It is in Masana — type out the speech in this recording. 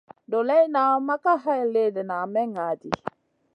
Doleyna ma ka hay léhdéna may ŋah ɗi.